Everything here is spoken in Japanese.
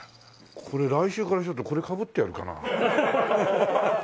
来週からちょっとこれかぶってやるかな。